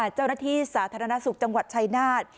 เจ้าหน้าที่สาธารณสุขจังหวัดชายนาฏ